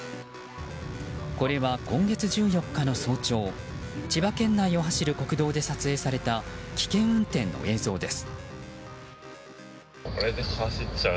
これは今月１４日の早朝千葉県内を走る国道で撮影された危険運転の映像です。